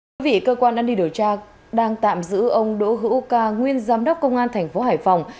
các vị cơ quan an ninh điều tra đang tạm giữ ông đỗ hữu uca nguyên giám đốc công an tp hải phòng